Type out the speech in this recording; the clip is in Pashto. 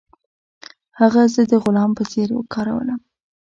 هغه زه د غلام په څیر کارولم.